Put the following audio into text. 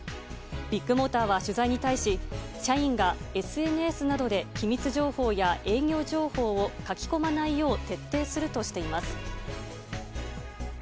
ビッグモーターは取材に対し社員がＳＮＳなどで機密情報や営業情報を書き込まないよう徹底するとしています。